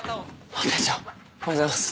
あっ店長おはようございます。